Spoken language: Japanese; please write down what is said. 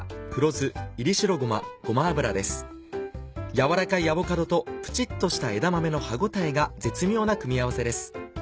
柔らかいアボカドとプチっとした枝豆の歯応えが絶妙な組み合わせです。